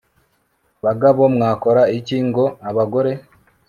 Bagabo mwakora iki ngo abagore